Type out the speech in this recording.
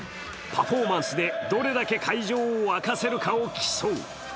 パフォーマンスでどれだけ会場を沸かせるかを競う。